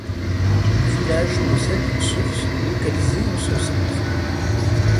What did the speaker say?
Le village possède une source localisée en son centre.